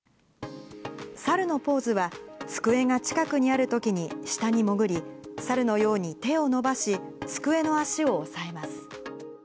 猿のポーズは、机が近くにあるときに下に潜り、猿のように手を伸ばし、机の脚を押さえます。